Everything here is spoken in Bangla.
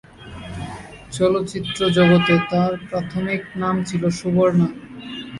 চলচ্চিত্র জগতে তার প্রাথমিক নাম ছিলো "সুবর্ণা"।